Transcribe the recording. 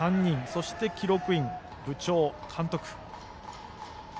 そして、記録員、部長、監督。